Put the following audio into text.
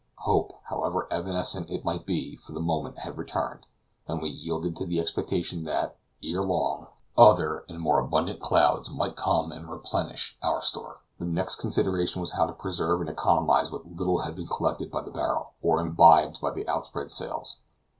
Hope, however evanescent it might be, for the moment had returned, and we yielded to the expectation that, ere long, other and more abundant clouds might come and replenish our store. The next consideration was how to preserve and economize what little had been collected by the barrel, or imbibed by the outspread sails.